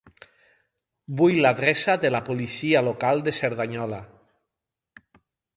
Vull l'adreça de la policia local de Cerdanyola.